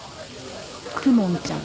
公文ちゃん